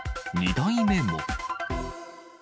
２台目も。